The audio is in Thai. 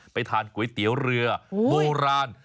ไปทานก๋วยเตี๋ยวเรือโบราณ